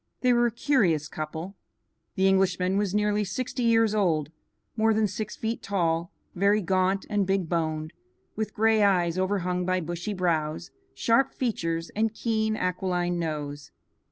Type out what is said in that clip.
They were a curious couple. The Englishman was nearly sixty years old, more than six feet tall, very gaunt and big boned, with gray eyes overhung by bushy brows, sharp features, and keen, aquiline nose.